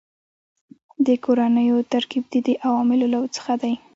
د کورنیو ترکیب د دې عواملو څخه دی